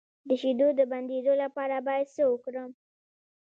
د شیدو د بندیدو لپاره باید څه وکړم؟